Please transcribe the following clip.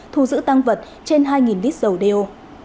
thù giữ tăng vật trên hai lít dầu đều